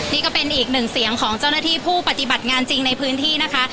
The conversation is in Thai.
นี่ก็เป็นอีกหนึ่งเสียงของเจ้าหน้าที่ผู้ปฏิบัติงานจริงในพื้นที่นะคะ